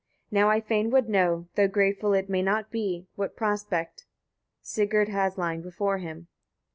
Now I fain would know, though grateful it may not be, what prospect Sigurd has lying before him.